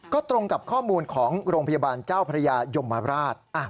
ก็ตรงกับข้อมูลของโรงพยาบาลเจ้าพระยายมราช